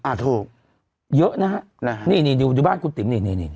อ่าถูกเยอะนะฮะนะฮะนี่นี่อยู่บ้านกูติ๋มนี่นี่นี่